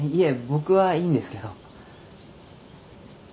僕はいいんですけど。